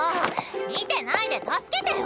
見てないで助けてよ！